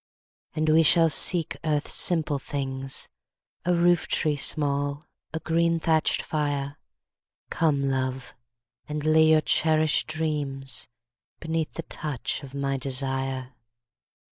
And we shall seek earth's simple things:A roof tree small, a green thatched fire—Come, Love, and lay your cherished dreamsBeneath the touch of my desire.